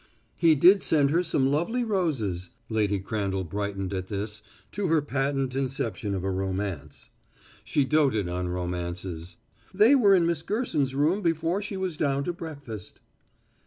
"He did send her some lovely roses." Lady Crandall brightened at this, to her, patent inception of a romance; she doted on romances. "They were in Miss Gerson's room before she was down to breakfast."